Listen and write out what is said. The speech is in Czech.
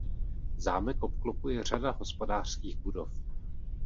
Zámek obklopuje řada hospodářských budov.